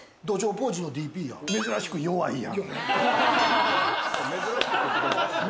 珍しく弱いやん。